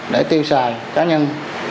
để tiêu xài cá nhân